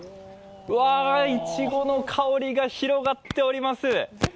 わ、いちごの香りが広がっております。